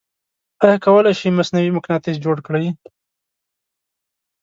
آیا کولی شئ مصنوعې مقناطیس جوړ کړئ؟